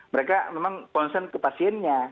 mereka memang concern ke pasiennya